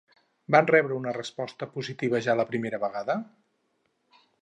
Van rebre una resposta positiva ja la primera vegada?